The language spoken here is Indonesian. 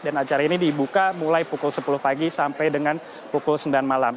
dan acara ini dibuka mulai pukul sepuluh pagi sampai dengan pukul sembilan malam